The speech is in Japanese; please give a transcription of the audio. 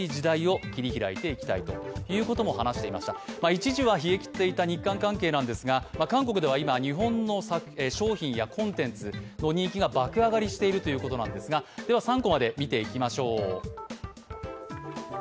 一時は冷え切っていた日韓関係なんですが韓国では今、日本の商品やコンテンツの人気が爆上がりしているということなんですが、３コマで見ていきましょう。